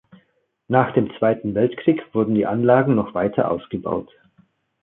Nach dem Zweiten Weltkrieg wurden die Anlagen noch weiter ausgebaut.